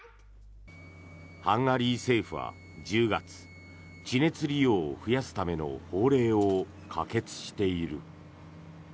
ハンガリー政府は１０月地熱利用を増やすための法令を可決している。